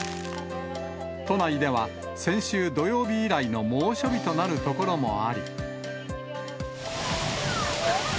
都内では先週土曜日以来の猛暑日となる所もあり。